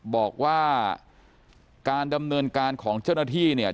บอกว่าการดำเนินการของเจ้าหน้าที่เนี่ย